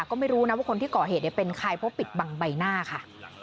ก็ไม่รู้นะว่าคนที่ก่อเหตุเป็นใครเพราะปิดบังใบหน้าค่ะ